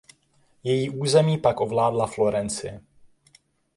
Její území pak ovládla Florencie.